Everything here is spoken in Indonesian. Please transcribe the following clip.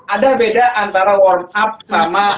ada beda antara warm up sama